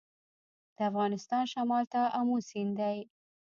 د افغانستان شمال ته امو سیند دی